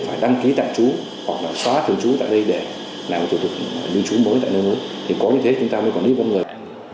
phải đăng ký tạm trú hoặc là xóa thường trú tại đây để làm một thủ tục như trú mới tại nơi đó thì có như thế chúng ta mới quản lý công dân